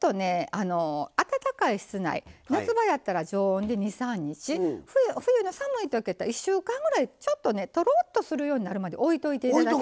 あの暖かい室内夏場やったら常温で２３日冬の寒い時やったら１週間ぐらいちょっとねとろっとするようになるまでおいといて頂きたい。